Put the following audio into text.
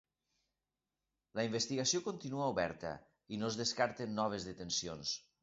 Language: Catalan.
La investigació continua oberta i no es descarten noves detencions.